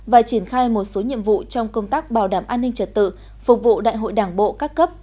và triển khai một số nhiệm vụ trong công tác bảo đảm an ninh trật tự phục vụ đại hội đảng bộ các cấp